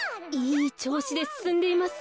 いいちょうしですすんでいます。